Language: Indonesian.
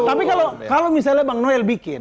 tapi kalau misalnya bang noel bikin